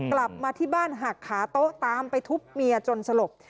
กลับมาที่บ้านหักขาโต๊ะตามไปทุบเมียจนสลบ